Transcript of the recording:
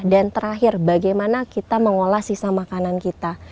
dan terakhir bagaimana kita mengolah sisa makanan kita